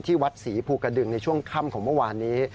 ของคุณนัทมาถึงที่วัดศรีภูกระดึงในช่วงค่ำของเมื่อวานนี้